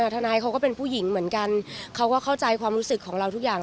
ทนายเขาก็เป็นผู้หญิงเหมือนกันเขาก็เข้าใจความรู้สึกของเราทุกอย่าง